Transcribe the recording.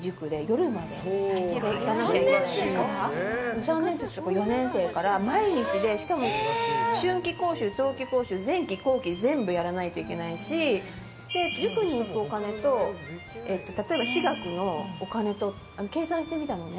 ３年生とか４年生から毎日でしかも春期講習、冬期講習前期後期全部やらないといけないし塾に行くお金と例えば、私学のお金と計算してみたのね。